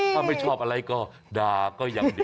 ถ้าไม่ชอบอะไรก็ดาก็ยังดี